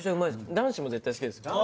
男子も絶対好きです。